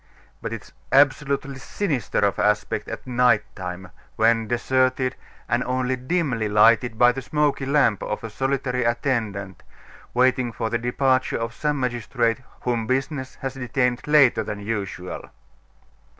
But it is absolutely sinister of aspect at night time, when deserted, and only dimly lighted by the smoky lamp of a solitary attendant, waiting for the departure of some magistrate whom business has detained later than usual.